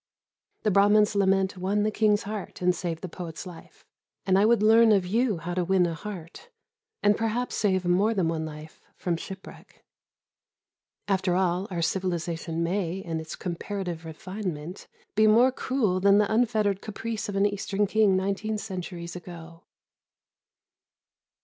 The Brahman's lament won the king's heart and saved the poet's life; and I would learn of you how to win a heart, and perhaps save more than one life from shipwreck. After all, our civilisation may, in its comparative refinement, be more cruel than the unfettered caprice of an Eastern king nineteen centuries ago.